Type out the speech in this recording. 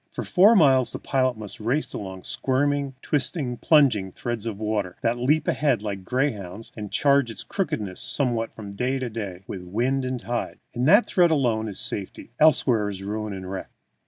For four miles the pilot must race along a squirming, twisting, plunging thread of water, that leaps ahead like a greyhound, and changes its crookedness somewhat from day to day with wind and tide. In that thread alone is safety; elsewhere is ruin and wreck.